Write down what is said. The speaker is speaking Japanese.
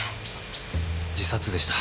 自殺でした。